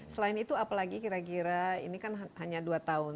selain itu apalagi kira kira ini kan hanya dua tahun